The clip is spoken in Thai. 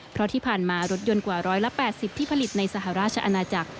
เพราะที่ผ่านมารถยนต์กว่า๑๘๐ที่ผลิตในสหราชอาณาจักร